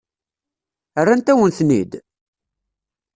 Rrant-awen-ten-id?